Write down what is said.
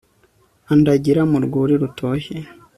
andagira mu rwuri rutoshye